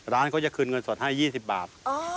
ร้านเขาจะคืนเงินสดให้๒๐บาท